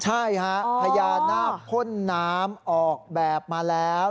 ใช่ฮะพญานาคพ่นน้ำออกแบบมาแล้ว